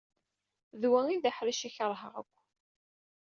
D wa ay d aḥric ay keṛheɣ akk.